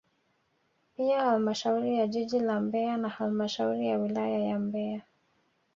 Pia halmashauri ya jiji la Mbeya na halmashauri ya wilaya ya Mbeya